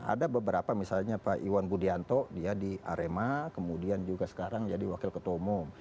ada beberapa misalnya pak iwan budianto dia di arema kemudian juga sekarang jadi wakil ketua umum